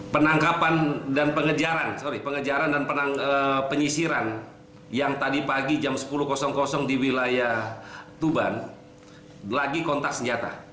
penangkapan dan pengejaran sorry pengejaran dan penyisiran yang tadi pagi jam sepuluh di wilayah tuban lagi kontak senjata